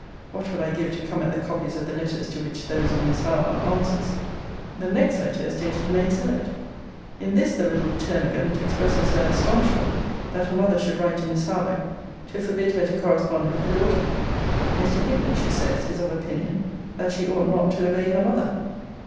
What would I give to come at the copies of the letters to which those of Miss Howe are answers! The next letter is dated May 3.* In this the little termagant expresses her astonishment, that her mother should write to Miss Harlowe, to forbid her to correspond with her daughter. Mr. Hickman, she says, is of opinion, 'that she ought not to obey her mother.'